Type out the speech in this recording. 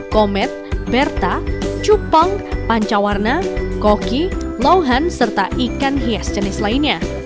komet berta cupong pancawarna koki lauhan serta ikan hias jenis lainnya